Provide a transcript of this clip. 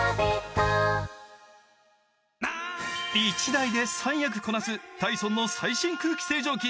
１台で３役こなすダイソンの最新空気清浄機。